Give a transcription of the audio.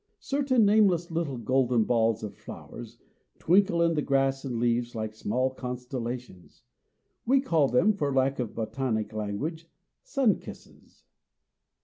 Certain nameless little golden balls of flowers twinkle in the grass and leaves like small constellations. We call them, for lack of botanic language, "sun kisses."